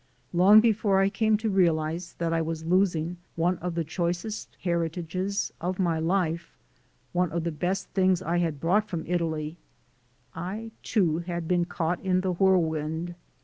Long before I came to realize that I was losing one of the choicest heritages of my life, one of the best things I had brought from Italy, I too had been caught in the whirlwind.